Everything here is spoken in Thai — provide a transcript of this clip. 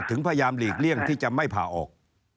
ถึงพยายามหลีกเลี่ยงที่จะไม่ผ่าออก